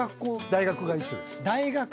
大学が一緒です。